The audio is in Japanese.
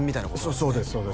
そうです